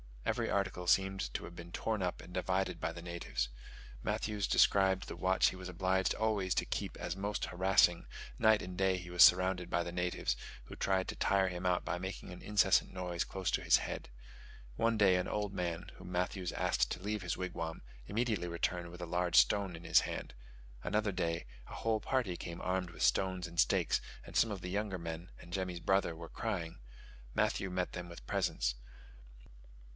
Every article seemed to have been torn up and divided by the natives. Matthews described the watch he was obliged always to keep as most harassing; night and day he was surrounded by the natives, who tried to tire him out by making an incessant noise close to his head. One day an old man, whom Matthews asked to leave his wigwam, immediately returned with a large stone in his hand: another day a whole party came armed with stones and stakes, and some of the younger men and Jemmy's brother were crying: Matthews met them with presents.